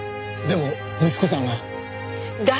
でも息子さんが。